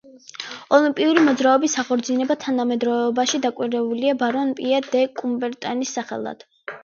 ოლიმპიური მოძრაობის აღორძინება თანამედროვეობაში დაკავშირებულია ბარონ პიერ დე კუბერტენის სახელთან.